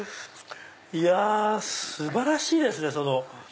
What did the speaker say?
いや素晴らしいですね。